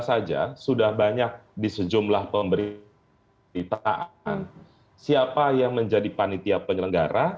saja sudah banyak di sejumlah pemberitaan siapa yang menjadi panitia penyelenggara